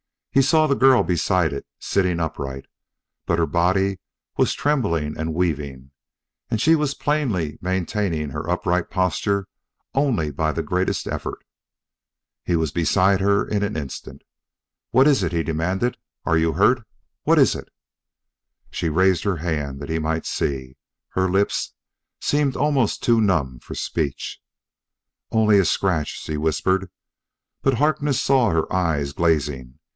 He saw the girl beside it, sitting upright; but her body was trembling and weaving, and she was plainly maintaining her upright posture only by the greatest effort. He was beside her in an instant. "What is it?" he demanded. "Are you hurt? What is it?" She raised her hand that he might see; her lips, seemed almost too numb for speech. "Only a scratch," she whispered, but Harkness saw her eyes glazing.